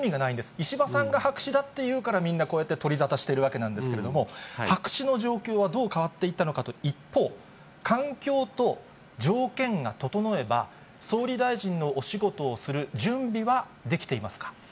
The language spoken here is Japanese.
石破さんが白紙だって言うから、みんなこうやって取り沙汰しているわけなんですけれども、白紙の状況はどう変わっていったのかと、一方、環境と条件が整えば、総理大臣のお仕事をする準備はできていますか。